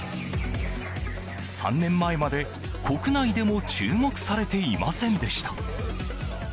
３年前まで国内でも注目されていませんでした。